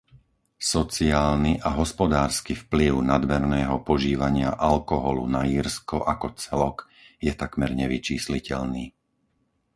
Sociálny a hospodársky vplyv nadmerného požívania alkoholu na Írsko ako celok je takmer nevyčísliteľný.